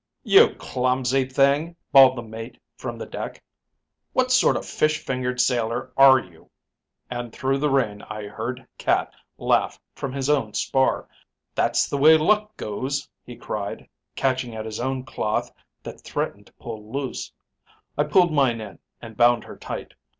'You clumsy thing' bawled the mate from the deck. 'What sort of fish fingered sailor, are you?' "And through the rain I heard Cat laugh from his own spar. 'That's the way luck goes,' he cried, catching at his own cloth that threatened to pull loose. I pulled mine in and bound her tight.